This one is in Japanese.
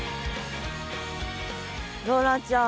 ローランちゃん